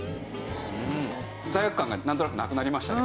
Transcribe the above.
罪悪感がなんとなくなくなりましたね。